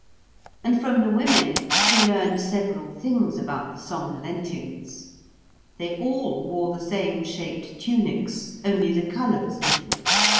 And from the women she learned several things about the Somnolentians. They all wore the same shaped tunics, only the colours differed.